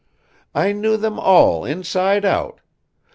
"I knew them all inside out.